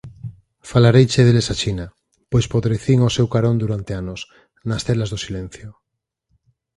Falareiche deles axiña, pois podrecín ó seu carón durante anos, nas celas do silencio.